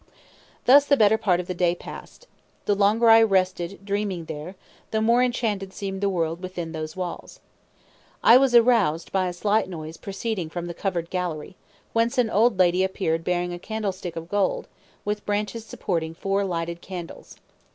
Thus the better part of the day passed. The longer I rested dreaming there, the more enchanted seemed the world within those walls. I was aroused by a slight noise proceeding from the covered gallery, whence an old lady appeared bearing a candlestick of gold, with branches supporting four lighted candles.